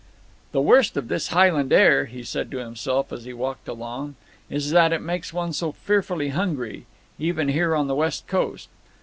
"The worst of this Highland air," he said to himself as he walked along, "is that it makes one so fearfully hungry, even here on the West Coast.